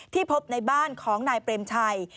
พบในบ้านของนายเปรมชัย